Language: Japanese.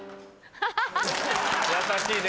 優しいね。